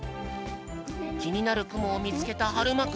きになるくもをみつけたはるまくん。